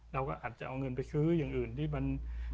เราก็อาจจะเอาเงินไปซื้ออย่างอื่นที่มัน